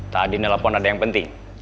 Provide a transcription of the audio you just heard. tadi nelpon ada yang penting